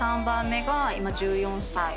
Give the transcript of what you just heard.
３番目が今１４歳。